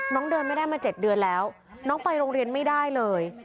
น้องเดินไม่ได้มา๗เดือนแล้วน้องไปโรงเรียนไม่ได้เลย